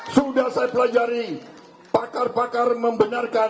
sudah saya pelajari pakar pakar membenarkan